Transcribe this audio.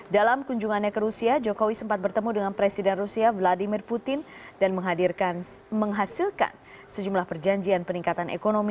dalam kunjungannya ke rusia jokowi sempat bertemu dengan presiden rusia vladimir putin dan menghasilkan sejumlah perjanjian peningkatan ekonomi